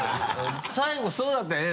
最後そうだったよね